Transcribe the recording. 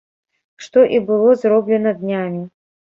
Што і было зроблена днямі.